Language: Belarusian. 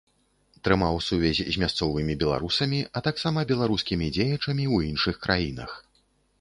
Трымаў сувязь з мясцовымі беларусамі, а таксама беларускімі дзеячамі ў іншых краінах.